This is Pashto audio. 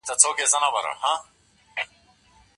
د ارغنداب سیند ساتنه د ټولو مسؤلیت دی.